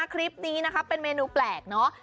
คลิปนี้เป็นเมนูแปลกเนาะ